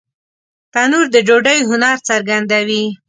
تنور د ډوډۍ هنر څرګندوي